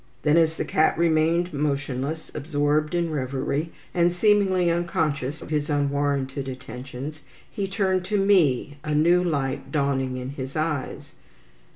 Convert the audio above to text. Then, as the cat remained motionless, absorbed in revery, and seemingly unconscious of his unwarranted attentions, he turned to me, a new light dawning in his eyes.